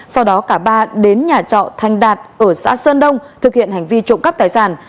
sau đó cả ba đến nhà trọ thanh đạt ở xã sơn đông thực hiện hành vi trộm cắp tài sản